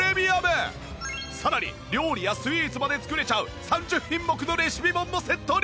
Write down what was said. さらに料理やスイーツまで作れちゃう３０品目のレシピ本もセットに！